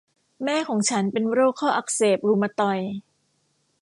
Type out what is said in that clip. แม่ของฉันเป็นโรคข้ออักเสบรุมาตอยด์